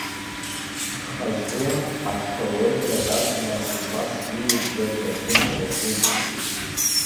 Хазы аҽа уедрак азна убас илыбжьаз аӡы налыргылт.